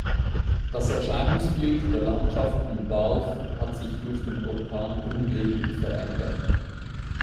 Das Erscheinungsbild der Landschaft um Balve hat sich durch den Orkan grundlegend verändert.